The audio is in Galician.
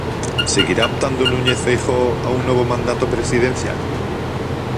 Seguirá optando Núñez Feijóo a un novo mandato presidencial?